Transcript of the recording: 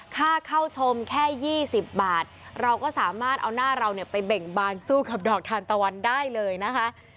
ค่าเข้าชมแค่๒๐บาทเราก็สามารถเอาหน้าเราเนี่ยไปเบ่งบานสู้กับดอกทานตะวันได้เลยนะคะ